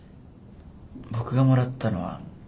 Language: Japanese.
僕がもらったのは。